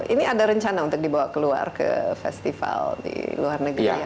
ini ada rencana untuk dibawa keluar ke festival di luar negeri ya